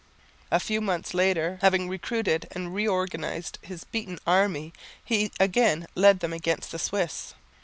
A few months later, having recruited and reorganised his beaten army, he again led them against the Swiss.